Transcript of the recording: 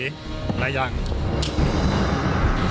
อะไรอย่างนี้